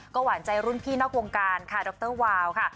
หวานใจรุ่นพี่นอกวงการค่ะดรวาวค่ะ